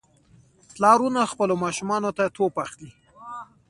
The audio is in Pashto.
پلارونه خپلو ماشومانو ته توپ اخلي.